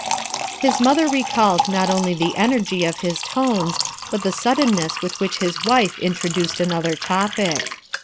His mother recalled not only the energy of his tones, but the suddenness with which his wife introduced another topic.